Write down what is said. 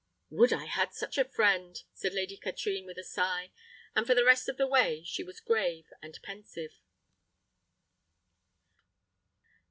"Would I had such a friend!" said Lady Katrine, with a sigh, and for the rest of the way she was grave and pensive.